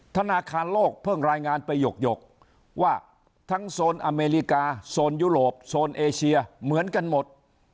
ธนาคารโลกเพิ่งรายงานไปหยกว่าทั้งโซนอเมริกาโซนยุโรปโซนเอเชียเหมือนกันหมด